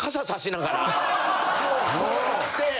こうやって。